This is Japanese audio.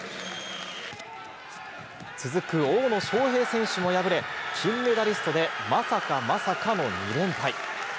続く大野将平選手も敗れ、金メダリストでまさかまさかの２連敗。